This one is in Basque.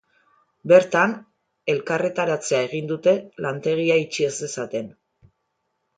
Bertan, elkarretaratzea egin dute, lantegia itxi ez dezaten.